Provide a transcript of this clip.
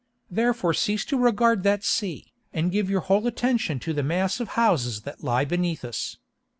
Therefore cease to regard that sea, and give your whole attention to the mass of houses that lie beneath us.